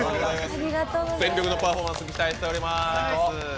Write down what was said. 全力のパフォーマンスに期待しております。